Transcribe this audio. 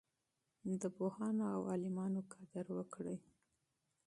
د پوهانو او عالمانو قدر وکړئ.